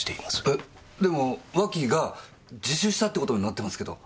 えでも脇が自首したって事になってますけど。